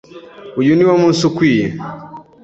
Uyu niwo munsi ukwiye.